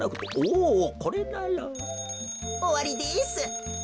おわりです。